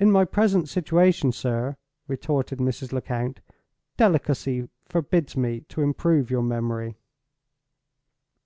"In my present situation, sir," retorted Mrs. Lecount, "delicacy forbids me to improve your memory."